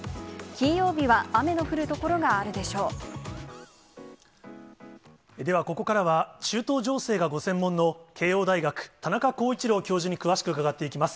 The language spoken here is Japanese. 金曜日は雨の降る所があるでしょでは、ここからは中東情勢がご専門の慶応大学、田中浩一郎教授に詳しく伺っていきます。